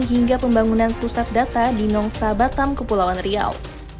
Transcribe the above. hingga pembangunan pusat data di nongsa batam kepulauan riau